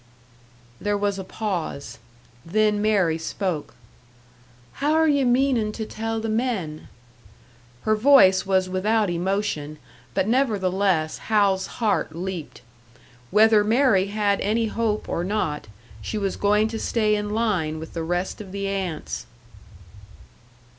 There was a pause; then Mary spoke. "How're you meanin' to tell the men?" Her voice was without emotion, but nevertheless, Hal's heart leaped. Whether Mary had any hope or not, she was going to stay in line with the rest of the ants!